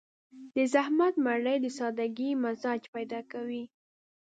د زحمت مړۍ د سادهګي مزاج پيدا کوي.